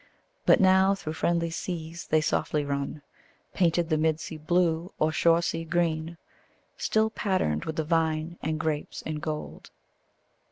But now through friendly seas they softly run, Painted the mid sea blue or shore sea green, Still patterned with the vine and grapes in gold.